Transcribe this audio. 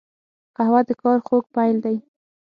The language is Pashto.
قهوه د کار خوږ پیل دی